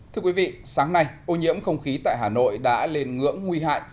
thưa quý vị sáng nay ô nhiễm không khí tại hà nội đã lên ngưỡng nguy hại